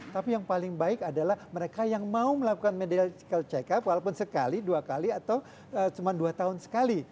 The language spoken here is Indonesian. tapi yang paling baik adalah mereka yang mau melakukan medical check up walaupun sekali dua kali atau cuma dua tahun sekali